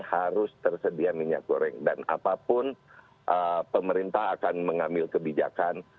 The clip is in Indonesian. harus tersedia minyak goreng dan apapun pemerintah akan mengambil kebijakan